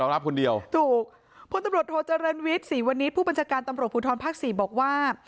รับคนเดียวถูกพลตำรวจโทเจริญวิทย์ศรีวณิชย์ผู้บัญชาการตำรวจภูทรภาคสี่บอกว่า